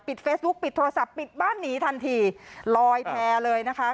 เฟซบุ๊กปิดโทรศัพท์ปิดบ้านหนีทันทีลอยแพร่เลยนะคะ